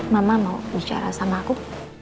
mama mau bicara sama aku